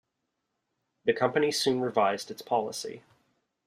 The company soon revised its policy.